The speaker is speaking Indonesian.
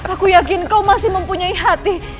aku yakin kau masih mempunyai hati